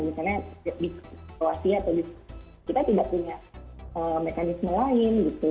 misalnya di situasi atau kita tidak punya mekanisme lain gitu